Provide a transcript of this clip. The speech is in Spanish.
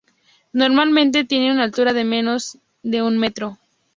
Normalmente tiene una altura de menos de un metro.